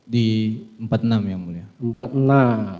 di empat puluh enam yang mulia